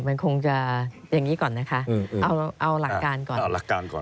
มันคงจะอย่างนี้ก่อนนะคะเอาหลักการก่อน